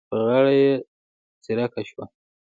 په غاړه یې څړيکه شوه.